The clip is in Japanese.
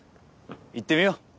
行ってみよう！